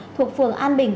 thuộc phường an bình